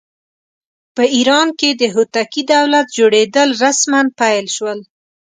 په ایران کې د هوتکي دولت جوړېدل رسماً پیل شول.